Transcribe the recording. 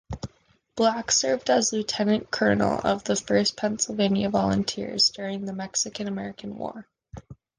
Black served as lieutenant-colonel of the First Pennsylvania Volunteers during the Mexican-American War.